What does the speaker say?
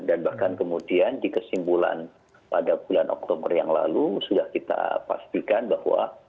dan bahkan kemudian di kesimpulan pada bulan oktober yang lalu sudah kita pastikan bahwa